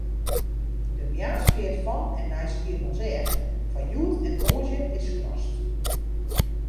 De moarnsfeart fan en nei Skiermûntseach foar hjoed en tongersdei is skrast.